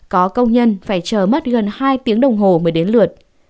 có công nhân phải chờ mất gần hai tiếng đồng hồ mới đến lượt